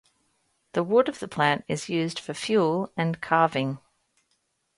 The wood of the plant is used for fuel and carving.